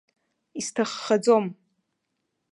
Исҭаххаӡом.